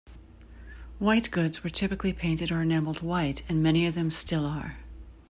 White goods were typically painted or enameled white, and many of them still are.